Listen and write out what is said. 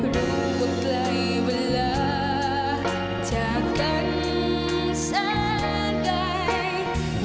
รู้ว่าใกล้เวลาจะกันแสดง